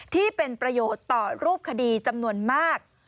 ที่เป็นประโยชน์ต่อรูปคดีจำนวนมาก